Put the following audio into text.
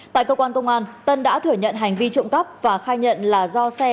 tại cơ quan công an tân đã thừa nhận hành vi trộm cắp và khai nhận là do xe